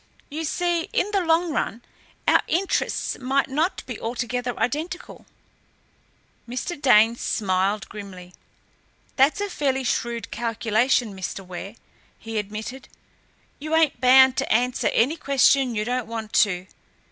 You see, in the long run, our interests might not be altogether identical." Mr. Dane smiled grimly. "That's a fairly shrewd calculation, Mr. Ware," he admitted. "You ain't bound to answer any question you don't want to.